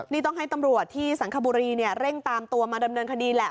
นี่ต้องให้ตำรวจที่สังคบุรีเร่งตามตัวมาดำเนินคดีแหละ